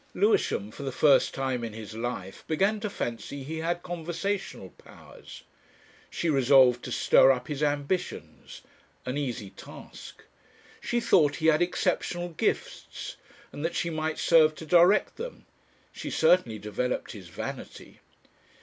Lewisham for the first time in his life began to fancy he had conversational powers. She resolved to stir up his ambitions an easy task. She thought he had exceptional gifts and that she might serve to direct them; she certainly developed his vanity.